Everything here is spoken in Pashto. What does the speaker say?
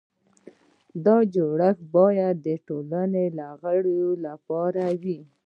دا جوړښت باید د ټولو غړو لپاره وي.